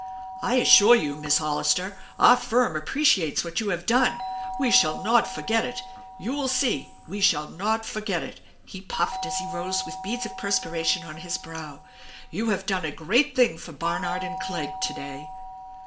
" I assure you, Miss Hollister, our firm appreciates what you have done! We shall not forget it. You will see, we shall not forget it !" he puffed as he rose with beads of perspiration on his brow. " You have done a great thing for Barnard and Clegg to day